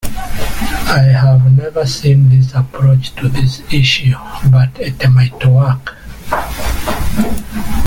I have never seen this approach to this issue, but it might work.